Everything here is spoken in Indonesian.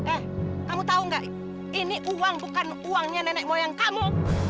eh kamu tahu nggak ini uang bukan uangnya nenek moyang kamu